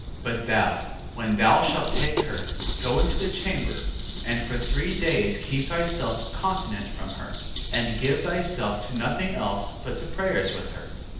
6:18. But thou when thou shalt take her, go into the chamber, and for three days keep thyself continent from her, and give thyself to nothing else but to prayers with her.